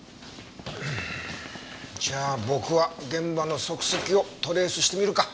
じゃあ僕は現場の足跡をトレースしてみるか。